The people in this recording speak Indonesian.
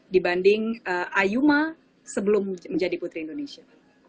dibanding ayuma sebelum menjadi putri indonesia